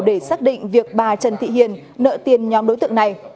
để xác định việc bà trần thị hiền nợ tiền nhóm đối tượng này